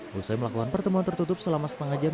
selesai melakukan pertemuan tertutup selama setengah jam